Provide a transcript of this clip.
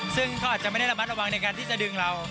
ซึ่งเขาอาจจะไม่ได้ระมัดระวังในการที่จะดึงเรา